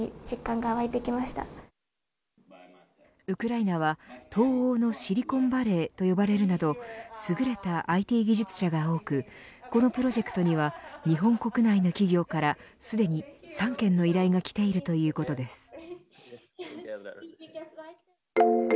ウクライナは東欧のシリコンバレーと呼ばれるなど優れたＩＴ技術者が多くこのプロジェクトには日本国内の企業からすでに３件の依頼がきているということです。